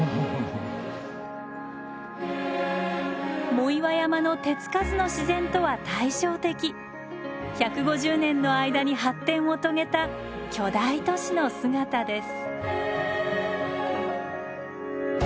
藻岩山の手付かずの自然とは対照的１５０年の間に発展を遂げた巨大都市の姿です。